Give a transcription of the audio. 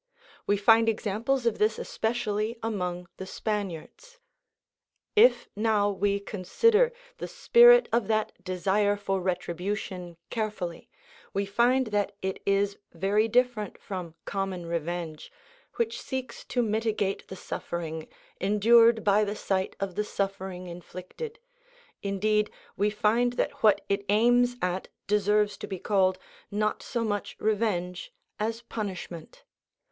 We find examples of this especially among the Spaniards.(78) If, now, we consider the spirit of that desire for retribution carefully, we find that it is very different from common revenge, which seeks to mitigate the suffering, endured by the sight of the suffering inflicted; indeed, we find that what it aims at deserves to be called, not so much revenge as punishment.